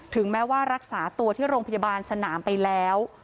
แม้ว่ารักษาตัวที่โรงพยาบาลสนามไปแล้ว